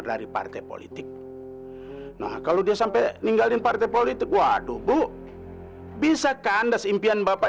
dari partai politik nah kalau dia sampai ninggalin partai politik waduh bu bisa kandas impian bapak